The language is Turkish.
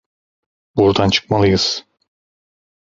Buradan çıkmalıyız.